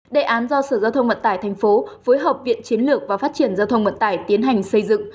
đề án do sở giao thông vận tải thành phố phối hợp viện chiến lược và phát triển giao thông vận tải tiến hành xây dựng